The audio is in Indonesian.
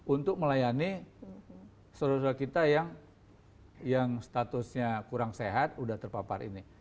untuk melayani saudara saudara kita yang statusnya kurang sehat sudah terpapar ini